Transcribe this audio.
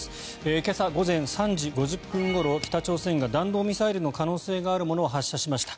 今朝午前３時５０分ごろ北朝鮮が弾道ミサイルの可能性があるものを発射しました。